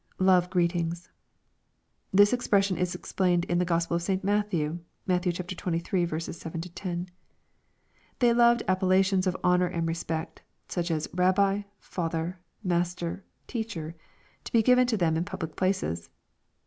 [Love greetings^ This expression is explained in the Gospel of St Matthew. (Matt xxiiL 7 10.) They loved appellations of honor and respect, such as " Rabbi, Father, Master, Teacher," to be given to them in pubhc places.